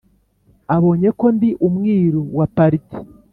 abonye ko ndi umwiru wa pariti